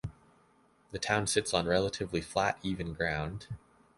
The town sits on relatively flat, even ground.